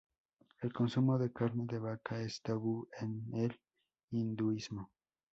El consumo de carne de vaca es tabú en el hinduismo.